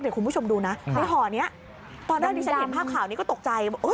เดี๋ยวคุณผู้ชมดูนะในห่อนี้ตอนแรกที่ฉันเห็นภาพข่าวนี้ก็ตกใจ